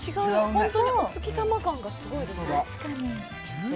本当にお月様感がすごいですね。